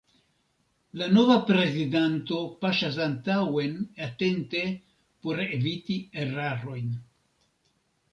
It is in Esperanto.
La nova prezidanto paŝas antaŭen atente por eviti erarojn.